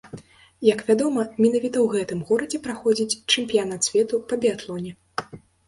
Як вядома, менавіта ў гэтым горадзе праходзіць чэмпіянат свету па біятлоне.